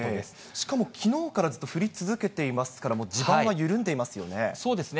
しかも、きのうからずっと降り続けていますから、もう地盤は緩んでいますそうですね。